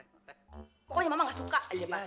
pokoknya mama gak suka aja pak